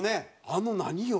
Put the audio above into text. あの何よ？